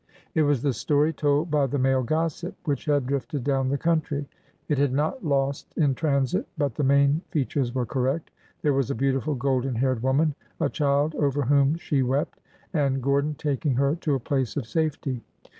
It was the story told by the male gossip which had drifted down the country. It had not lost in transit, but the main features were correct. There was a beautiful golden haired woman, a child over whom she wept, and Gordon taking her to a place of safety.